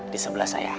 di sebelah saya